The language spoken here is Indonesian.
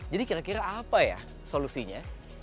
jadi kira kira apa ya solusinya